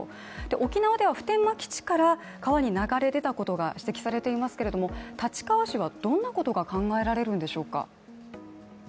沖縄では普天間基地から川に流れ出たことが指摘されていますけれども立川市はどんなことが考えられるんでしょうか？